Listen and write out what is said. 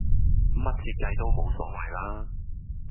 乜設計都無所謂啦